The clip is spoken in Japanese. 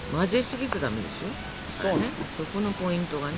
そこのポイントがね。